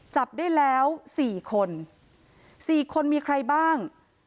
จับได้แล้ว๔คน๔คนมีใครบ้าง